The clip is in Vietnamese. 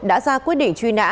đã ra quyết định truy nã